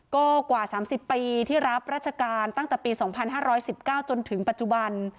ก็กว่าสามสิบปีที่รับราชการตั้งแต่ปีสองพันห้าร้อยสิบเก้าจนถึงปัจจุบัน